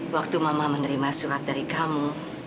waktu mama menerima surat dari kamu